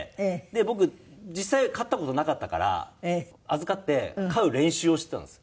僕実際飼った事なかったから預かって飼う練習をしてたんです。